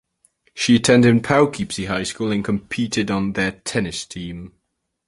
She attended Poughkeepsie High School and competed on their tennis team.